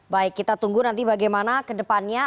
baik kita tunggu nanti bagaimana kedepannya